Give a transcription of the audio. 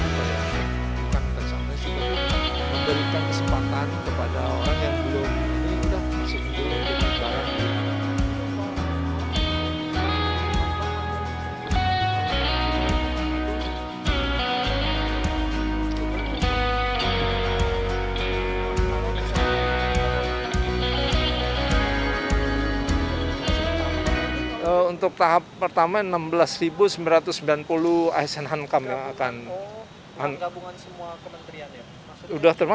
sudah termasuk asn asn kan dua belas hankamnya setelah lima